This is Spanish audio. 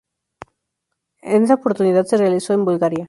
En esta oportunidad se realizó en Bulgaria.